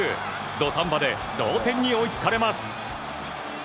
土壇場で同点に追いつかれます。